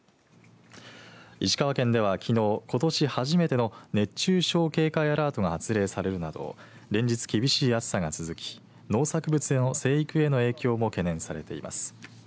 石川県では、きのうことし初めての熱中症警戒アラートが発令されるなど連日厳しい暑さが続き農作物への生育への影響も懸念されています。